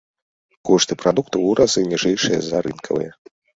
Кошты прадуктаў у разы ніжэйшыя за рынкавыя.